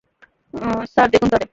Sir, দেখুন তাদের।